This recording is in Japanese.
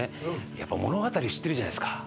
やっぱり物語を知ってるじゃないですか